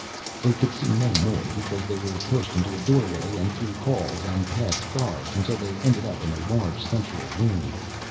They could see no more because they were pushed into a doorway and through halls and past guards until they ended up in a large central room.